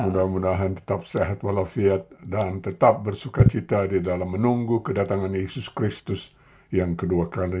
mudah mudahan tetap sehat walafiat dan tetap bersuka cita di dalam menunggu kedatangan yesus kristus yang kedua kali ini